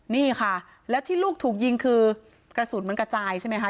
นี่ค่ะแล้วที่ลูกถูกยิงคือกระสุนมันกระจายใช่ไหมคะ